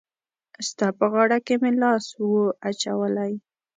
ستا په غاړه کي مي لاس وو اچولی